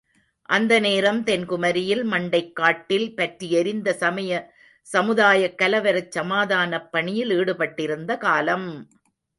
அந்த நேரம் தென்குமரியில் மண்டைக் காட்டில் பற்றி எரிந்த சமய சமுதாயக் கலவரச் சமாதானப் பணியில் ஈடுபட்டிருந்த காலம்!